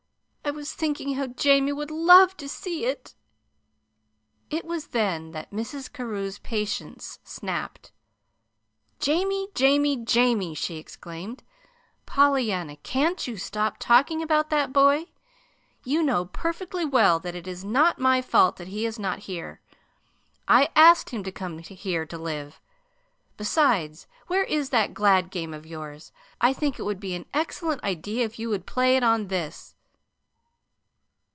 I was thinking how Jamie would love to see it." It was then that Mrs. Carew's patience snapped. "'Jamie, Jamie, Jamie'!" she exclaimed. "Pollyanna, CAN'T you stop talking about that boy? You know perfectly well that it is not my fault that he is not here. I asked him to come here to live. Besides, where is that glad game of yours? I think it would be an excellent idea if you would play it on this."